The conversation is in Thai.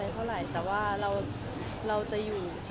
แต่ว่าเราจะอยู่